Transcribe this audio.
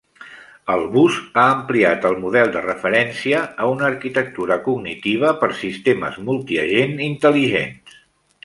Albus ha ampliat el model de referència a una arquitectura cognitiva per Sistemes multiagent intel·ligents.